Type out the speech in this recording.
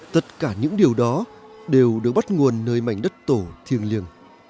tất cả những điều đó đều được bắt nguồn nơi mảnh đất tổ thiêng liêng